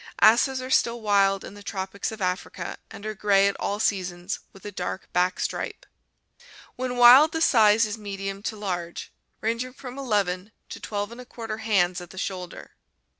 Asses are still wild in the tropics of Africa and are gray at all seasons, with a dark back stripe. When wild the size is medium to large, ranging from n to i2# hands at the shoulder.